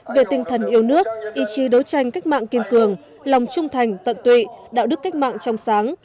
về tinh thần yêu nước ý chí đấu tranh cách mạng kiên cường lòng trung thành tận tụy đạo đức cách mạng trong sáng